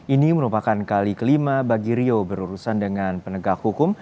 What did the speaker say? ini merupakan kali kelima bagi rio berurusan dengan penegak hukum